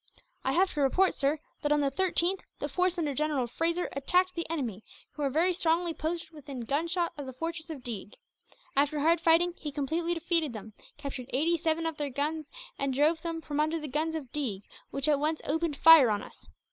"I have to report, sir, that on the 13th the force under General Fraser attacked the enemy, who were very strongly posted within gunshot of the fortress of Deeg. After hard fighting he completely defeated them, captured eighty seven of their guns, and drove them from under the guns of Deeg, which at once opened fire on us.